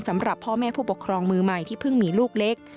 สำหรับพ่อแม่ผู้ปกครองมือใหม่ที่เพิ่งมีลูกเล็ก